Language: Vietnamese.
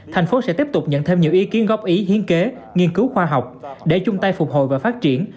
thành phố sẽ tiếp tục nhận thêm nhiều ý kiến góp ý hiến kế nghiên cứu khoa học để chung tay phục hồi và phát triển